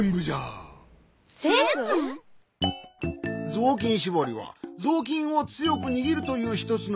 ぞうきんしぼりはぞうきんをつよくにぎるというひとつのうごき。